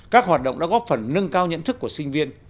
các hoạt động đã góp phần nâng cao nhận thức của sinh viên